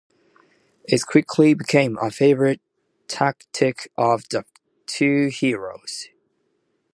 It quickly became a favorite tactic of the two heroes.